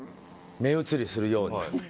目移りするように。